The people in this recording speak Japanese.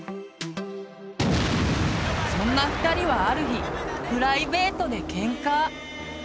そんな２人はある日プライベートでけんか。